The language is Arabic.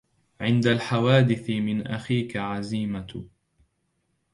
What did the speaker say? عند الحوادث من أخيك عزيمة